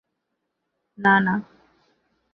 না, না!